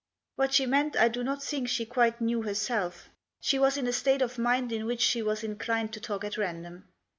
What she meant I do not think she quite knew her self. She was in a state of mind in which she was inclined to talk at random.